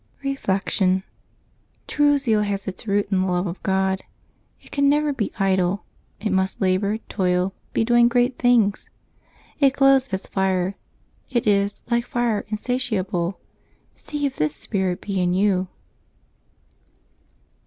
Reflection. — True zeal has its root in the love of God. It can never be idle; it must labor, toil, be doing great things. It glows as fire; it is, like fire, insatiable. See if this spirit be in you